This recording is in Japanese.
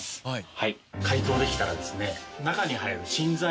はい。